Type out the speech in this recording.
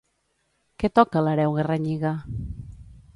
Què toca l'hereu Garranyiga?